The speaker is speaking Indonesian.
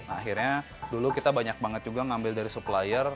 akhirnya dulu kita banyak banget juga ngambil dari supplier